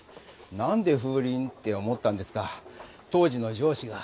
なんで風鈴？って思ったんですが当時の上司が。